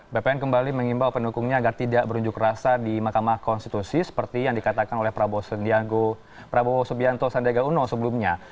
bpn kembali mengimbau pendukungnya agar tidak berunjuk rasa di mahkamah konstitusi seperti yang dikatakan oleh prabowo sandiago prabowo subianto sandiaga uno sebelumnya